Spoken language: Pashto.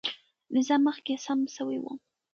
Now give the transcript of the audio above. نظام مخکې سم سوی و.